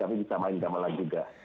tapi bisa main gamelan juga